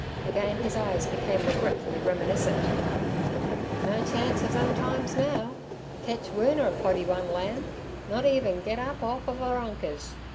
Again his eyes became regretfully reminiscent. 'No chance ov them times now. Ketch Woona poddy one lamb—not even get up orf ov 'er unkers!